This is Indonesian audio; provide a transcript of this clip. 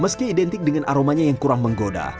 meski identik dengan aromanya yang kurang menggoda